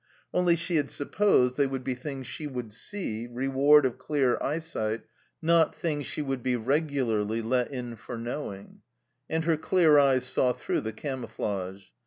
Only she had supposed they would be things she would see, reward of clear eyesight, not things she would be regularly let in for knowing. And her clear eyes saw through the camouflage.